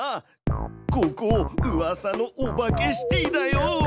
ここうわさのオバケシティだよ！